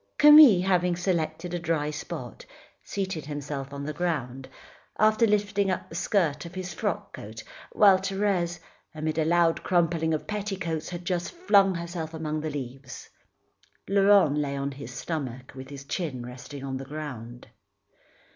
Camille having selected a dry spot, seated himself on the ground, after lifting up the skirt of his frock coat; while Thérèse, amid a loud crumpling of petticoats, had just flung herself among the leaves. Laurent lay on his stomach with his chin resting on the ground.